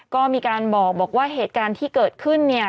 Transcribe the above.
ก็มีการบอกว่าเหตุการณ์ที่เกิดขึ้นเนี่ย